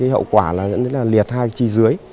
hậu quả là liệt hai chi dưới